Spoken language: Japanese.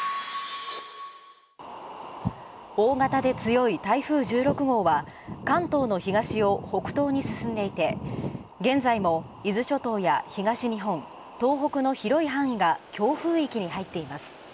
大型で強い台風１６号は関東の東を北東に進んでいて現在も伊豆諸島や東日本、東北の広い範囲が強風域に入っています。